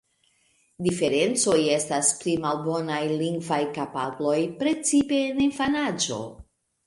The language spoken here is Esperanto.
Diferencoj estas pli malbonaj lingvaj kapabloj, precipe en infanaĝo.